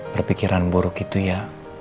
berpikiran buruk itu ya